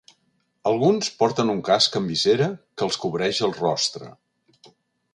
Alguns porten un casc amb visera que els cobreix el rostre.